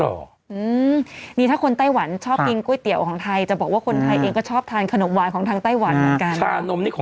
อร่อยมากคุณแม่ขายดีมากใช่ไหมใช่